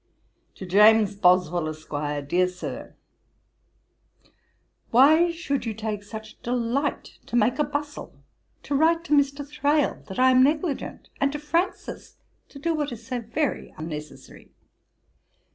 'TO JAMES BOSWELL, ESQ. 'DEAR SIR, 'Why should you take such delight to make a bustle, to write to Mr. Thrale that I am negligent, and to Francis to do what is so very unnecessary.